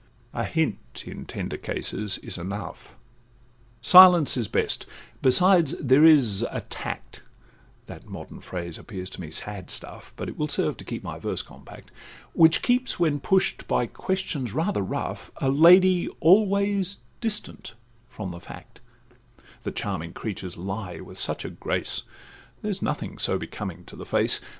A hint, in tender cases, is enough; Silence is best, besides there is a tact (That modern phrase appears to me sad stuff, But it will serve to keep my verse compact)— Which keeps, when push'd by questions rather rough, A lady always distant from the fact: The charming creatures lie with such a grace, There's nothing so becoming to the face.